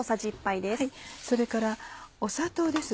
それから砂糖です。